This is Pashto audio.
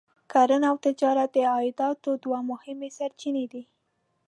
کرنه او تجارت د عایداتو دوه مهمې سرچینې دي.